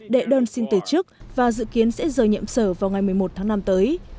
đệ đơn xin tể chức và dự kiến sẽ rời nhiệm sở vào ngày một mươi một tháng năm tới